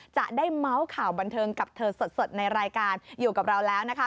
จะได้เมาส์ข่าวบันเทิงกับเธอสดในรายการอยู่กับเราแล้วนะคะ